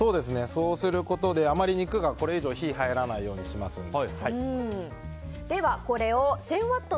そうすることであまり肉がこれ以上火が入らないようにしますので。